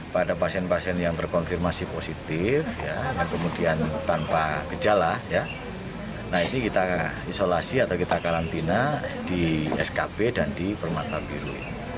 pada pasien pasien yang terkonfirmasi positif dan kemudian tanpa gejala nah ini kita isolasi atau kita karantina di skb dan di permata biru